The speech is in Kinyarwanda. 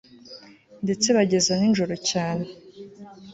ndetse bageza nijoro cyane